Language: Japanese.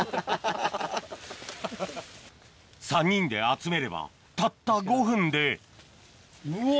３人で集めればたった５分でうわ！